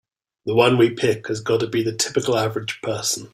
The one we pick has gotta be the typical average person.